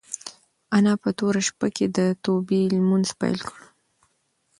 انا په توره شپه کې د توبې لمونځ پیل کړ.